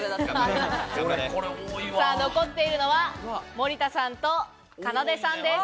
残っているのは、森田さんとかなでさんです。